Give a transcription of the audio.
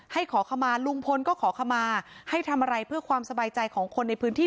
ขอขมาลุงพลก็ขอขมาให้ทำอะไรเพื่อความสบายใจของคนในพื้นที่